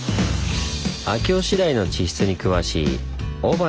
秋吉台の地質に詳しい小原北士さん。